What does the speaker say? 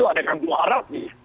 ada kampung arab